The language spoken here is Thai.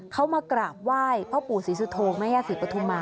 เขามากราบไหว้พ่อปู่ศรีสุโธแม่ย่าศรีปฐุมา